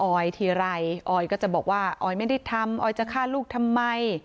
อยทีไรอออยก็จะบอกว่าออยไม่ได้ทำออยจะฆ่าลูกทำไม